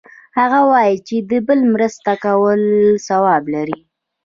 هغه وایي چې د بل مرسته کول ثواب لری